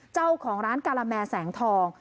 เจ้าของร้านกาลแมแสงทอง